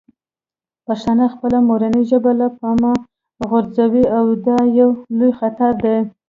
پښتانه خپله مورنۍ ژبه له پامه غورځوي او دا یو لوی خطر دی.